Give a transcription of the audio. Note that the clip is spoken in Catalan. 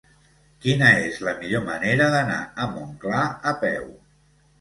Quina és la millor manera d'anar a Montclar a peu?